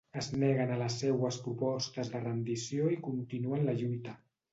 Es neguen a les seues propostes de rendició i continuen la lluita.